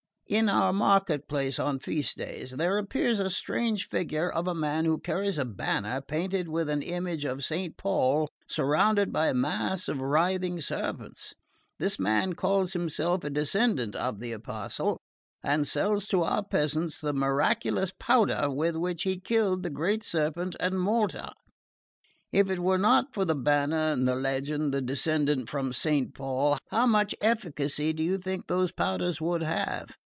In our market place on feast days there appears the strange figure of a man who carries a banner painted with an image of Saint Paul surrounded by a mass of writhing serpents. This man calls himself a descendant of the apostle and sells to our peasants the miraculous powder with which he killed the great serpent at Malta. If it were not for the banner, the legend, the descent from Saint Paul, how much efficacy do you think those powders would have?